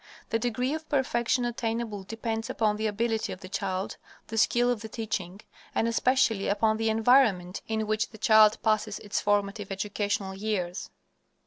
The degree of perfection attainable depends upon the ability of the child, the skill of the teaching, and especially upon the environment in which the child passes its formative educational years.